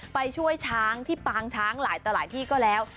ไปช่วยช้างที่ปางช้างหลายต่อหลายที่ก็แล้ว